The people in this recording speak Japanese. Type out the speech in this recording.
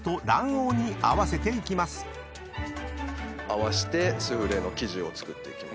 合わせてスフレの生地を作っていきます。